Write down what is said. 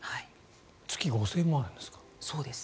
月５０００円もあるんですか。